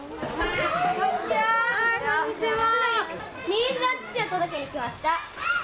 こんにちは。